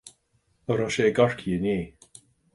An raibh sé i gCorcaigh inné